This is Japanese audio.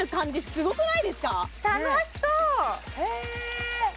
すごくないですか？